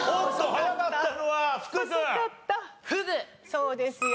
そうですよ。